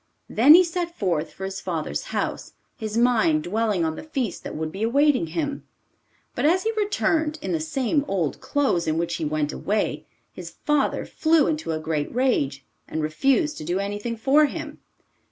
Then he set forth for his father's house, his mind dwelling on the feast that would be awaiting him. But as he returned in the same old clothes in which he went away, his father flew into a great rage, and refused to do anything for him.